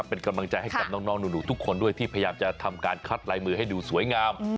เป็นกำลังใจให้กับน้องหนูทุกคนด้วยที่พยายามจะทำการคัดลายมือให้ดูสวยงาม